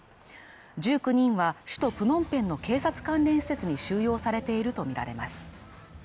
１９人は首都プノンペンの警察関連施設に収容されているとみられます。